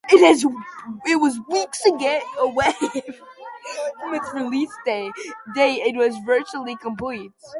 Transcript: It was weeks away from its release date and was virtually complete.